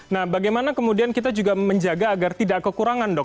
nah bagaimana kemudian kita juga menjaga agar tidak kekurangan dok